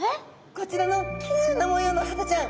こちらのきれいな模様のハタちゃん。